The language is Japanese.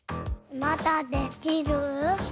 まだできる？